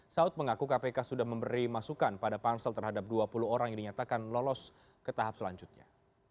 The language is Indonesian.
saud mengaku kpk sudah memberi masukan pada pansel terhadap dua puluh orang yang dinyatakan lolos ke tahap selanjutnya